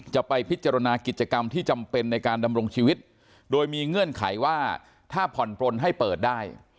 จะไปพิจารณากิจกรรมที่จำเป็นในการดำรงชีวิตโดยมีเงื่อนไขว่าถ้าผ่อนปลนให้เปิดได้